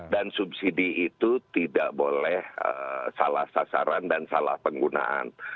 dan subsidi itu tidak boleh salah sasaran dan salah penggunaan